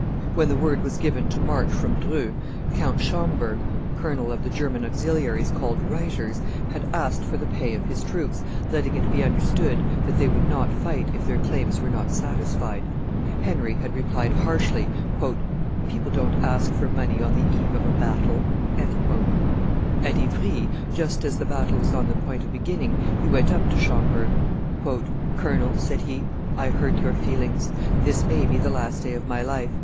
When the word was given to march from Dreux, Count Schomberg, colonel of the German auxiliaries called reiters, had asked for the pay of his troops, letting it be understood that they would not fight if their claims were not satisfied. Henry had replied harshly, "People don't ask for money on the eve of a battle." At Ivry, just as the battle was on the point of beginning, he went up to Schomberg. "Colonel," said he, "I hurt your feelings. This may be the last day of my life.